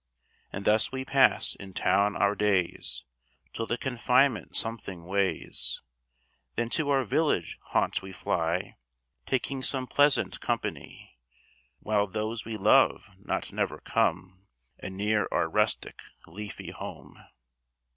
And thus we pass in town our days, Till the confinement something weighs; Then to our village haunt we fly, Taking some pleasant company, While those we love not never come Anear our rustic, leafy home.